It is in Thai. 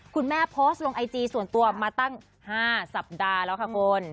โพสต์ลงไอจีส่วนตัวมาตั้ง๕สัปดาห์แล้วค่ะคุณ